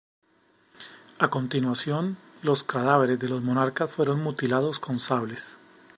A continuación, los cadáveres de los monarcas fueron mutilados con sables.